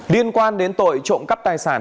liên quan đến tội trộm cắp tài sản